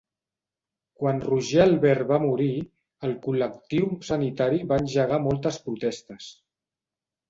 Quan Roger Albert va morir, el col·lectiu sanitari va engegar moltes protestes.